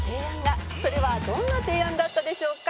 「それはどんな提案だったでしょうか？」